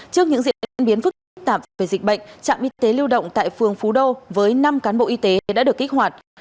trước những diễn biến phức tạp về dịch bệnh trạm y tế lưu động tại phường phú đô với năm cán bộ y tế đã được kích hoạt